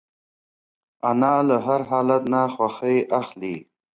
انا له هر حالت نه خوښي اخلي